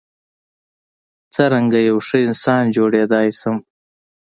څرنګه یو ښه انسان جوړیدای شم.